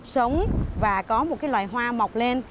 sống và có một cái loài hoa mọc lên